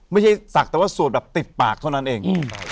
ไม่ใช่สักแต่ว่าสวดแบบติดปากเท่านั้นเอง